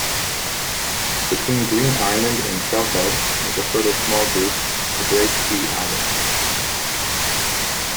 Between Green Island and South Head is a further small group, the Breaksea Islands.